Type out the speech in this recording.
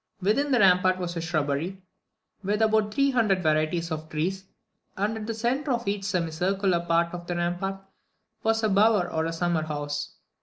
Within the rampart was a shrubbery with about three hundred varieties of trees; and at the centre of each semicircular part of the rampart was a bower or summer house.